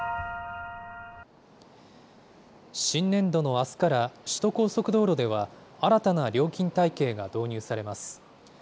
新年度のあすから、首都高速道路では、新たな料金体系が導入されます。